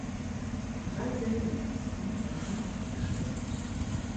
Drei Sendemasten waren aufgestellt.